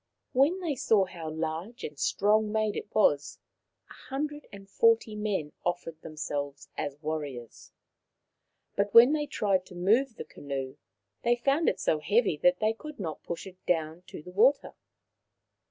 When they saw how large and strong made it was, a hundred and forty men offered themselves as warriors. But when they tried to move the canoe they found it so heavy that they could not push it down to the water.